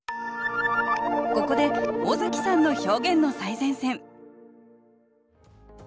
ここで尾崎さんの「表現の最前線」。